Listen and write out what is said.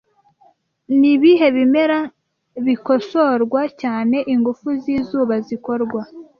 Nibihe bimera bikosorwa cyane ingufu zizuba zikorwa